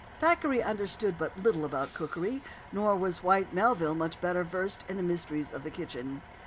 Thackeray understood but little about cookery, nor was Whyte Melville much better versed in the mysteries of the kitchen.